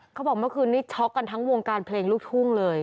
เมื่อคืนนี้ช็อกกันทั้งวงการเพลงลูกทุ่งเลย